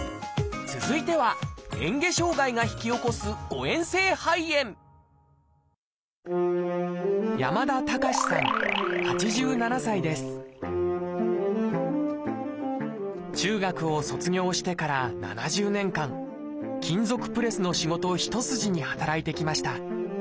続いてはえん下障害が引き起こす中学を卒業してから７０年間金属プレスの仕事一筋に働いてきました。